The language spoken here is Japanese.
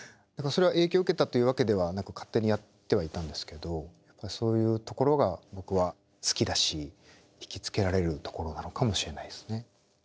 それは影響を受けたというわけではなく勝手にやってはいたんですけどそういうところが僕は好きだし引き付けられるところなのかもしれないですね。